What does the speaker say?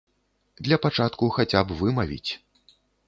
Для пачатку хаця б вымавіць.